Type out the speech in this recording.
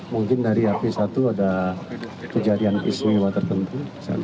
mungkin dari hp satu ada kejadian istimewa tertentu